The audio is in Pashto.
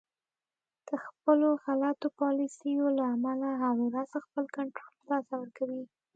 د خپلو غلطو پالیسیو له امله هر ورځ خپل کنترول د لاسه ورکوي